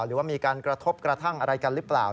หรือว่ามีการกระทบกระทั่งอะไรกันหรือเปล่า